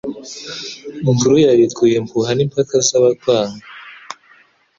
Inkuru yawe ikuye impuha N'impaka z'abakwanga,